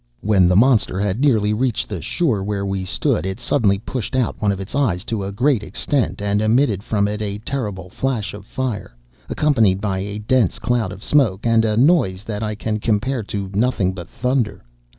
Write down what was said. "'When the monster had nearly reached the shore where we stood, it suddenly pushed out one of its eyes to a great extent, and emitted from it a terrible flash of fire, accompanied by a dense cloud of smoke, and a noise that I can compare to nothing but thunder.